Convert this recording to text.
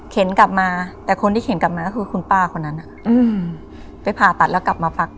กลับมาแต่คนที่เข็นกลับมาก็คือคุณป้าคนนั้นไปผ่าตัดแล้วกลับมาฟัก